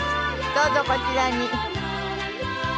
どうぞこちらに。